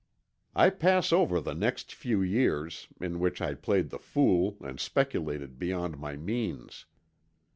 "I pass over the next few years, in which I played the fool and speculated beyond my means.